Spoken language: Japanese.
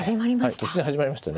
突然始まりましたね。